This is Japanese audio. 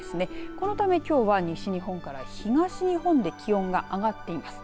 このためきょうは西日本から東日本で気温が上がっています。